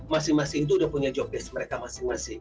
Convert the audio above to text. masing masing itu sudah punya jobdesk mereka masing masing